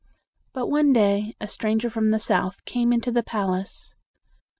But one day a stran ger from the South came into the palace.